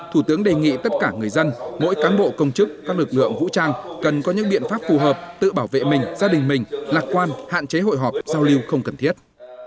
thủ tướng đề nghị tất cả người dân mỗi cán bộ công chức các lực lượng vũ trang cần có những biện pháp phù hợp tự bảo vệ mình gia đình mình lạc quan hạn chế hội họp giao lưu không cần thiết